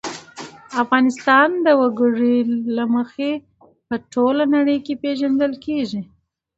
افغانستان د وګړي له مخې په ټوله نړۍ کې پېژندل کېږي.